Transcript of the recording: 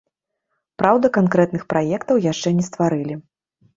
Праўда, канкрэтных праектаў яшчэ не стварылі.